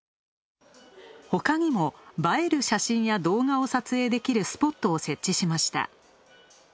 ほかにも、映える写真や動画を撮影できるスポットを設置しました。